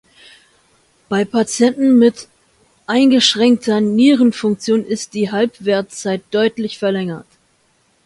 Bei Patienten mit eingeschränkter Nierenfunktion ist die Halbwertzeit deutlich verlängert.